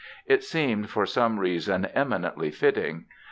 It seemed, for some reason, eminently fitting.